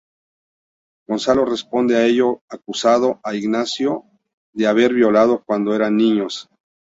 Gonzalo responde a ello acusando a Ignacio de haberlo violado cuando eran niños.